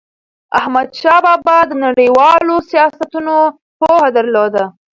احمدشاه بابا د نړیوالو سیاستونو پوهه درلوده.